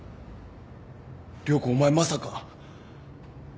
涼子お前まさか。